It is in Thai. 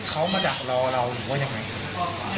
เขามาดักรอเราว่าอย่างไร